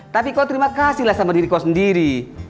tapi kau terima kasih lah sama diri kau sendiri